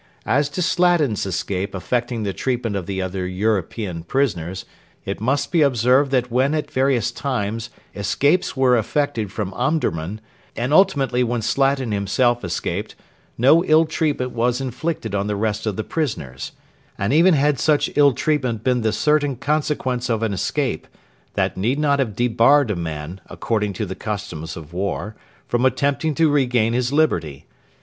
As to Slatin's escape affecting the treatment of the other European prisoners, it must be observed that when at various times escapes were effected from Omdurman, and ultimately when Slatin himself escaped, no ill treatment was inflicted on the rest of the prisoners; and even had such ill treatment been the certain consequence of an escape, that need not have debarred a man, according to the customs of war, from attempting to regain his liberty.